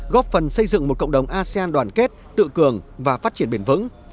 góp phần xây dựng một cộng đồng asean đoàn kết tự cường và phát triển bền vững